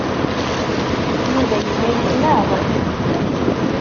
Yuba yella yettnaɣ.